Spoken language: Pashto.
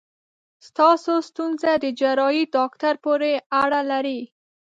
ستاسو ستونزه د جراحي داکټر پورې اړه لري.